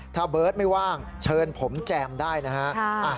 ถ้าเบิร์ตไม่ว่างเชิญผมแจมได้นะฮะ